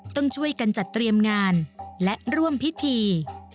ต้องช่วยกันจัดเตรียมงานและร่วมพิธี